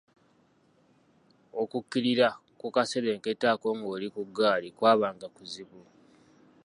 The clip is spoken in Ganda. Okukkirira ku kaserengeto ako ng’oli ku ggaali kwabanga kuzibu.